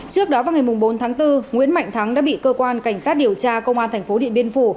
trước đó vào ngày bốn tháng bốn nguyễn mạnh thắng đã bị cơ quan cảnh sát điều tra công an thành phố điện biên phủ